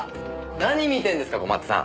何見てんですか小松さん。